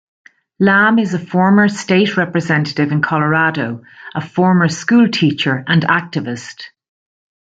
Lamm is a former State Representative in Colorado, a former school teacher, and activist.